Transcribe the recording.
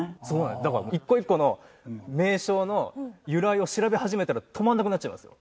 だから一個一個の名称の由来を調べ始めたら止まらなくなっちゃいますよ。